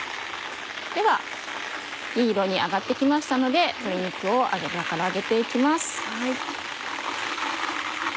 ではいい色に揚がって来ましたので鶏肉を油から上げて行きます。